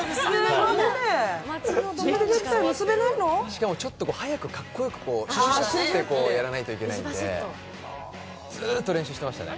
しかも、ちょっと速くかっこよくシャシャシャってやらないといけないんで、ずっと練習してましたね。